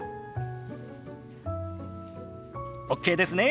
ＯＫですね。